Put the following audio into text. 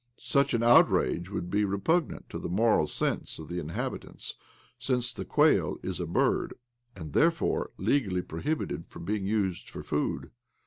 Such an outragte would be repugnant to the moral sense of the inhabitants, since the quail is a bird, and therefore legally prohibited from' being used for food.